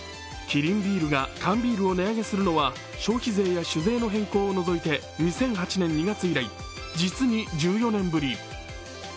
キリンビールが缶ビールを値上げするのは消費税や酒税の変更を除いて２００８年２月以来、実に１４年ぶり。